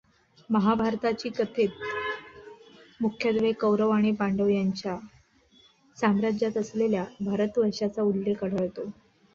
महाभारताची कथेत मुख्यत्वे कौरव आणि पांडव यांच्या साम्राज्यात असलेल्या भारतवर्षाचा उल्लेख आढळतो.